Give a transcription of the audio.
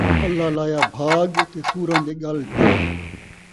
اللہ لایا بھاڳ تے سوراں دے ڳل ٹل